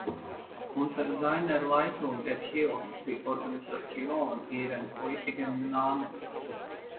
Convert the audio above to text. Unter seiner Leitung erhielt die Organisation ihren heutigen Namen.